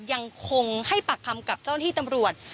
ยังคงให้ปากคำกับเจ้าหิตรรวจ